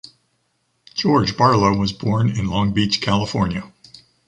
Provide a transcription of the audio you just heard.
George Barlow was born in Long Beach, California.